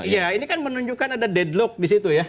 ya ini kan menunjukkan ada deadlock di situ ya